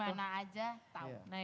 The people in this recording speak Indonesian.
dimana aja tahu